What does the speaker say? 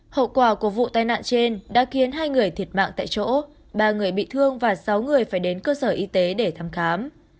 hậu quả của vụ tai nạn trên đã khiến hai người thiệt mạng tại chỗ ba người bị thương và sáu người phải đến cơ sở y tế để thăm khám